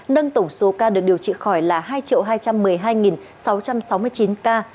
nâng tổng số ca được điều trị khỏi là hai hai trăm một mươi hai sáu trăm sáu mươi chín ca